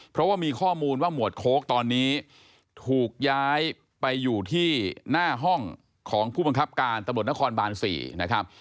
เพราะว่ามีข้อมูลว่าหมวดโค้กตอนนี้ถูกย้ายไปอยู่ที่หน้าห้องของผู้บังคับการตำรวจนครบาน๔นะครับ